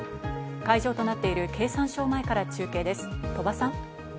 会場となっている経産省前から中継です、鳥羽さん。